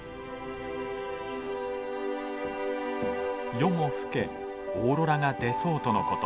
夜も更けオーロラが出そうとの事。